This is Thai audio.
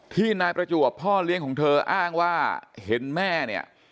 ที่นายประจวบพ่อเลี้ยงของเธออ้างว่าเห็นแม่เนี่ย